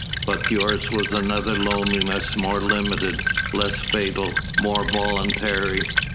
But yours was another loneliness more limited, less fatal, more voluntary.